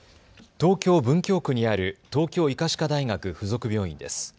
東京文京区にある東京医科歯科大学附属病院です。